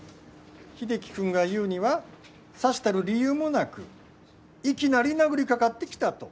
英樹君が言うにはさしたる理由もなくいきなり殴りかかってきたと。